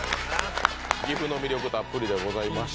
岐阜の魅力たっぷりでございました。